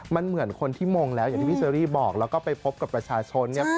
มันเหมือนคนที่มงแล้วอย่างที่พี่เชอรี่บอกแล้วก็ไปพบกับประชาชนเนี่ย